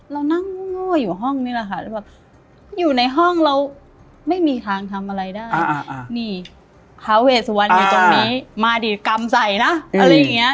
เรานั่งโง่อยู่ห้องนี่แหละค่ะแล้วแบบอยู่ในห้องเราไม่มีทางทำอะไรได้นี่ท้าเวสวรรณอยู่ตรงนี้มาดีกรรมใส่นะอะไรอย่างนี้